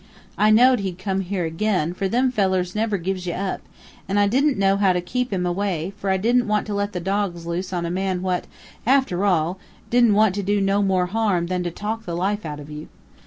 I know'd he'd come here ag'in, for them fellers never gives you up; and I didn't know how to keep him away, for I didn't want to let the dogs loose on a man what, after all, didn't want to do no more harm than to talk the life out of you.